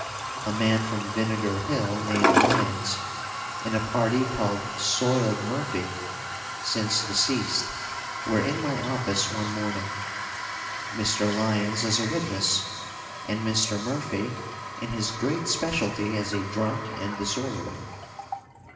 A man from Vinegar Hill named Lyons and a party called Soiled Murphy (since deceased), were in my office one morning Mr. Lyons as a witness, and Mr. Murphy in his great specialty as a drunk and disorderly.